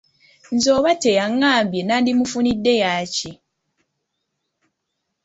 Nze oba teyangambye nandimufuniddes yaaki?